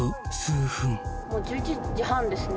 もう１１時半ですね